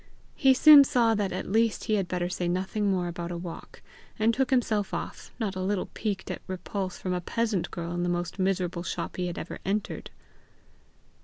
He soon saw that at least he had better say nothing more about a walk, and took himself off, not a little piqued at repulse from a peasant girl in the most miserable shop he had ever entered.